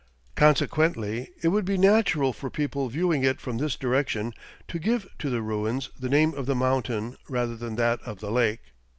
Consequently, it would be natural for people viewing it from this direction to give to the ruins the name of the mountain rather than that of the lake.